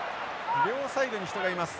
両サイドに人がいます。